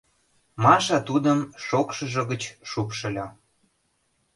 — Маша тудым шокшыжо гыч шупшыльо.